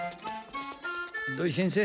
土井先生